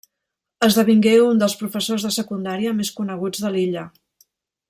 Esdevingué un dels professors de Secundària més coneguts de l'illa.